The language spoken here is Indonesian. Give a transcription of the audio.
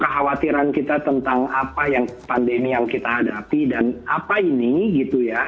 kekhawatiran kita tentang apa yang pandemi yang kita hadapi dan apa ini gitu ya